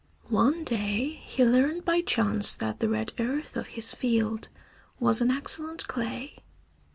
II One day he learned by chance that the red earth of his field was an excellent clay.